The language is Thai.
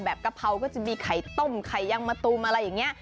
กะเพราก็จะมีไข่ต้มไข่ยังมะตูมอะไรอย่างนี้